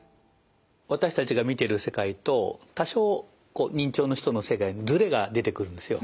私たちが見てる世界と多少認知症の人の世界ズレが出てくるんですよ。